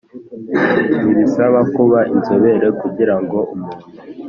ntibisaba kuba inzobere kugira ngo umuntu